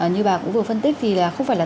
như bà cũng vừa phân tích thì không phải là